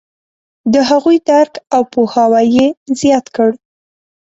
د هغوی درک او پوهاوی یې زیات کړ.